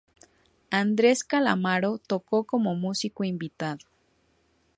Andres Calamaro tocó como músico invitado.